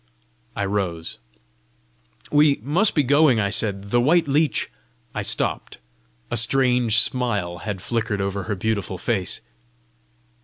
I rose. "We must be going!" I said. "The white leech " I stopped: a strange smile had flickered over her beautiful face.